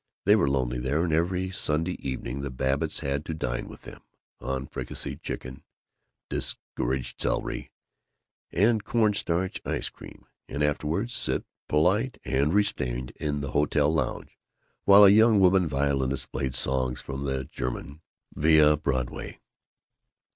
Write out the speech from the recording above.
They were lonely there, and every other Sunday evening the Babbitts had to dine with them, on fricasseed chicken, discouraged celery, and cornstarch ice cream, and afterward sit, polite and restrained, in the hotel lounge, while a young woman violinist played songs from the German via Broadway.